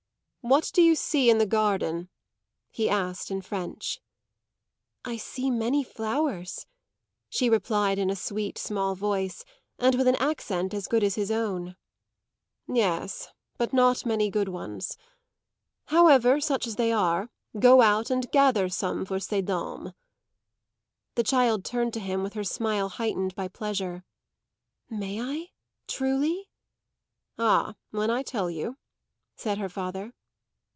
"What do you see in the garden?" he asked in French. "I see many flowers," she replied in a sweet, small voice and with an accent as good as his own. "Yes, but not many good ones. However, such as they are, go out and gather some for ces dames." The child turned to him with her smile heightened by pleasure. "May I, truly?" "Ah, when I tell you," said her father.